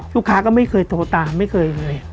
ลูกค้าก็ไม่เคยโตตามไม่เคยอะไร